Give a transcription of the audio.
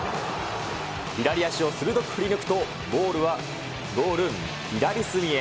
左足を鋭く振り抜くと、ボールはゴール左隅へ。